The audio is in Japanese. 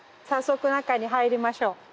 早速中に入りましょう。